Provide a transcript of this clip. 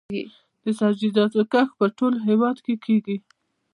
د سبزیجاتو کښت په ټول هیواد کې کیږي